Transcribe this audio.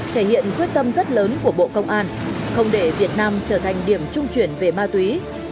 thể hiện quyết tâm rất lớn của bộ công an không để việt nam trở thành điểm trung chuyển về ma túy